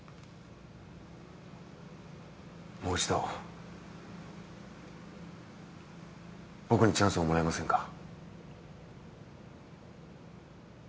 もう一度僕にチャンスをもらえませんか？